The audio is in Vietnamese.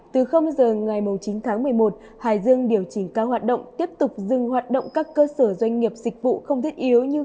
từ giờ ngày chín tháng một mươi một hải dương điều chỉnh các hoạt động tiếp tục dừng hoạt động các cơ sở doanh nghiệp dịch vụ không thiết yếu như